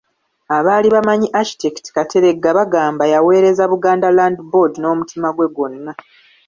Abaali bamanyi Architect Kateregga bagamba yaweereza Buganda Land Board n'omutima gwe gwonna.